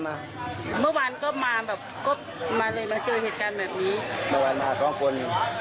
มันมันมา๒คน